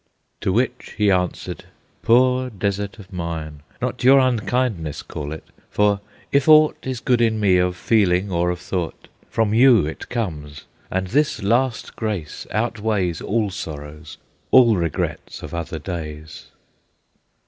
To which he answered: "Poor desert of mine, Not your unkindness call it, for if aught Is good in me of feeling or of thought, From you it comes, and this last grace outweighs All sorrows, all regrets of other days."